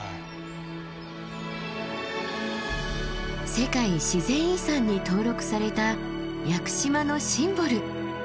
世界自然遺産に登録された屋久島のシンボル！